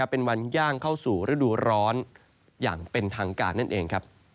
เป็นวันย่างเข้าสู่ฤดูร้อนอย่างเป็นทางการนั่นเอง